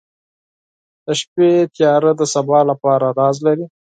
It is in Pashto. • د شپې تیاره د سبا لپاره راز لري.